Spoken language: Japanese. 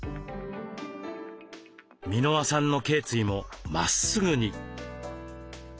箕輪さんのけい椎もまっすぐに。